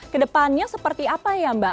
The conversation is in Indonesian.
kedepannya seperti apa ya mbak